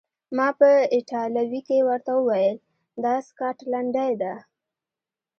ما په ایټالوي کې ورته وویل: دا سکاټلنډۍ ده.